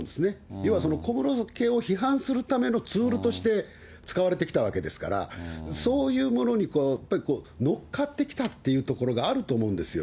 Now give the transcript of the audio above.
要は小室圭を批判するためのツールとして、使われてきたわけですから、そういうものにやっぱり乗っかってきたというところがあると思うんですよ。